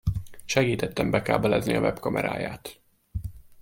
Segítettem bekábelezni a webkameráját.